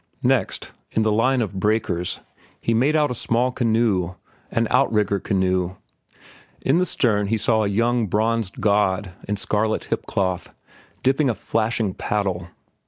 Next, in the line of breakers he made out a small canoe, an outrigger canoe. In the stern he saw a young bronzed god in scarlet hip cloth dipping a flashing paddle.